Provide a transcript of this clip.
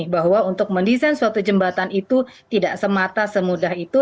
bahwa untuk mendesain suatu jembatan itu tidak semata semudah itu